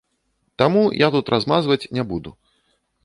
Таму я тут размазваць не буду.